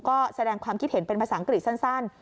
ก็แสดงความคิดเห็นเป็นภาษาอังกฤษสั้น